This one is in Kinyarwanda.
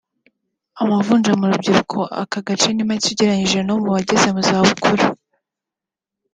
Amavunja mu rubyiruko muri aka gace ni make ugereranyije no mu bageze mu za bukuru